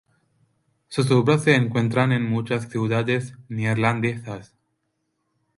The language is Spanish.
Sus obras se encuentran en muchas ciudades neerlandesas.